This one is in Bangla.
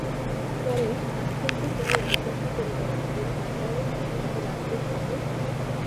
পরেশ আশ্চর্য হইয়া জিজ্ঞাসা করিলেন, এই ঠাণ্ডায় এত রাত্রে ছাতে?